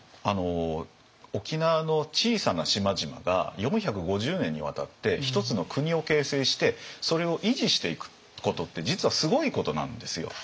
沖縄の小さな島々が４５０年にわたって一つの国を形成してそれを維持していくことって実はすごいことなんですよ。